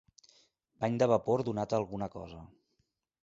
Bany de vapor donat a alguna cosa.